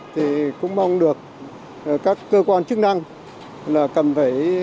thì cũng mong được các cơ quan chức năng